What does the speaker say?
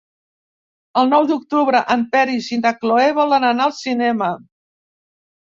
El nou d'octubre en Peris i na Cloè volen anar al cinema.